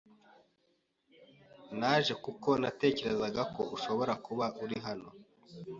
Naje kuko natekerezaga ko ushobora kuba uri hano.